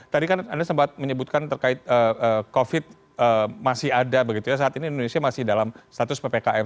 jadi kan anda sempat menyebutkan terkait covid masih ada begitu ya saat ini indonesia masih dalam status ppkm